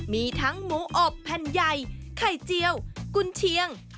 มีทั้งหมูอบแผ่นใหญ่ไข่เจียวกุญเชียง